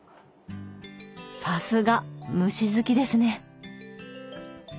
さすが虫好きですね。